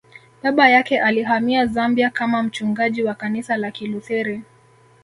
Baba yake alihamia Zambia kama mchungaji wa kanisa la Kilutheri